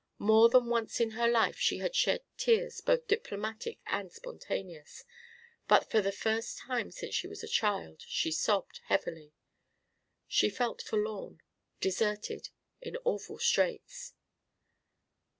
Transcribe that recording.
More than once in her life she had shed tears both diplomatic and spontaneous, but for the first time since she was a child she sobbed heavily. She felt forlorn, deserted, in awful straits.